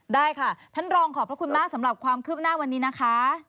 ได้ค่ะท่านรองขอบพระคุณมากสำหรับความคืบหน้าวันนี้นะคะ